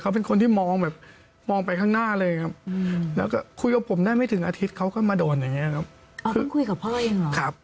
เขาเป็นคนที่มองแบบมองไปข้างหน้าเลยครับแล้วก็คุยกับผมได้ไม่ถึงอาทิตย์เขาก็มาโดนอย่างเงี้ยครับ